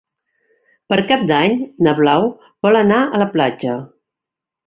Per Cap d'Any na Blau vol anar a la platja.